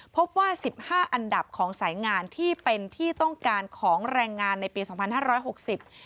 พบว่า๑๕อันดับของสายงานที่เป็นที่ต้องการของแรงงานในปี๒๕๖๐